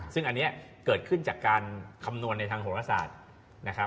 ซึ่งอันนี้เกิดขึ้นจากการคำนวณในทางโหรศาสตร์นะครับ